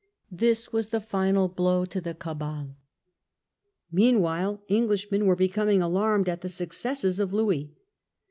This was the final blow to the Cabal. Meanwhile Englishmen were becoming alarmed at the successes of Louis.